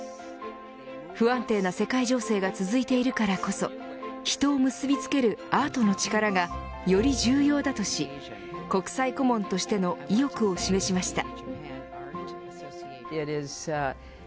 不安定な世界情勢が続いているからこそ人を結びつけるアートの力がより重要だとし国際顧問としての意欲を示しました。